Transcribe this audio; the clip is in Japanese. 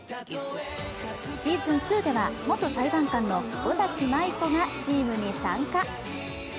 シーズン２では元裁判官の尾崎舞子がチームに参加。